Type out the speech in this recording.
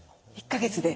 １か月で？